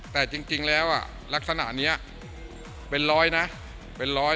แต่จริงแล้วลักษณะนี้เป็นร้อยนะเป็นร้อย